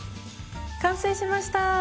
完成しました！